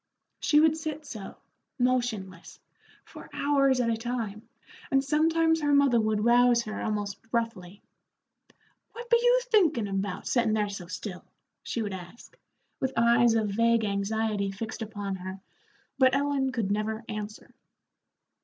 She would sit so, motionless, for hours at a time, and sometimes her mother would rouse her almost roughly. "What be you thinkin' about, settin' there so still?" she would ask, with eyes of vague anxiety fixed upon her, but Ellen could never answer.